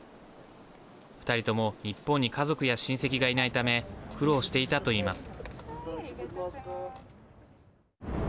２人とも日本に家族や親戚がいないため苦労していたと言います。